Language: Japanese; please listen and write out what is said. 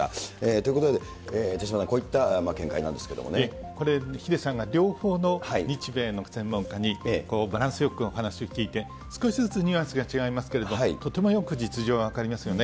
ということで、手嶋さん、こういこれ、ヒデさんが両方の日米の専門家にバランスよくお話を聞いて、少しずつニュアンスが違いますけれども、とてもよく実情が分かりますよね。